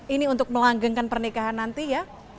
ini untuk melanggengkan pernikahan nanti ya